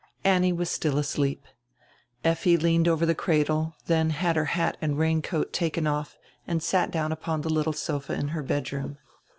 Annie was still asleep. Effi leaned over the cradle, then had her hat and raincoat taken off and sat down upon the little sofa in her bedroom.